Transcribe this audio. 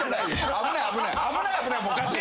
危ない危ない。